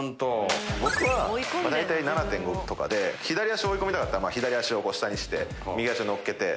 僕は大体７．５とかで左足追い込みたかったら左足を下にして右足を乗っけて。